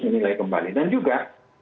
menilai kembali dan juga